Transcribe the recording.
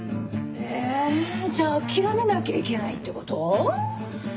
えじゃあ諦めなきゃいけないってこと？